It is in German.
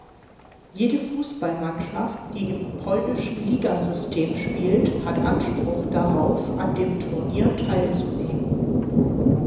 Jede Fußballmannschaft, die im polnischen Ligasystem spielt, hat Anspruch darauf, an dem Turnier teilzunehmen.